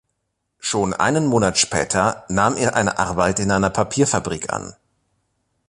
Schon einen Monat später nahm er eine Arbeit in einer Papierfabrik an.